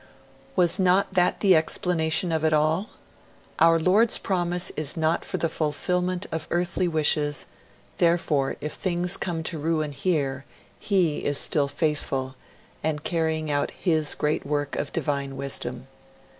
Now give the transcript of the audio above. Was not that the explanation of it all? 'Our Lord's promise is not for the fulfilment of earthly wishes; therefore, if things come to ruin here He is still faithful, and is carrying out His great work of divine wisdom.'